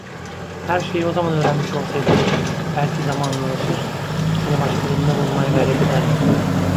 Her şeyi o zaman öğrenmiş olsaydım, belki zamanla alışır, seni başkalarında bulmaya gayret ederdim.